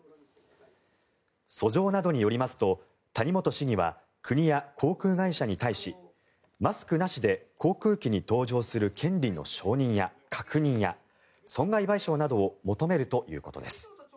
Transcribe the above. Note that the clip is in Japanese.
訴状などによりますと谷本市議は国や航空会社に対しマスクなしで航空機に搭乗する権利の確認や損害賠償などを求めるということです。